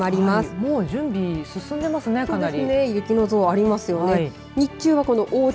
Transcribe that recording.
もう準備進んでいますね、かなり。